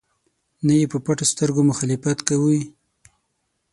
نه یې په پټو سترګو مخالفت کوي.